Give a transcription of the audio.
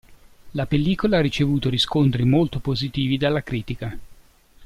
La pellicola ha ricevuto riscontri molto positivi dalla critica.